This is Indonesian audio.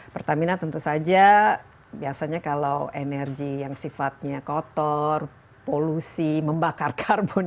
pertamina tentu saja biasanya kalau energi yang sifatnya kotor polusi membakar karbon